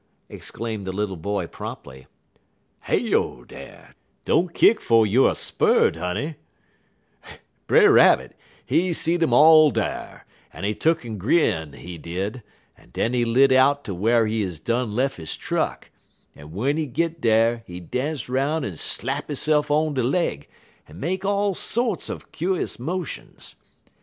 exclaimed the little boy promptly. "Heyo dar! don't kick 'fo' you er spurred, honey! Brer Rabbit, he seed um all dar, en he tuck'n grin, he did, en den he lit out ter whar he done lef he truck, en w'en he git dar he dance 'roun' en slap hisse'f on de leg, en make all sorts er kuse motions.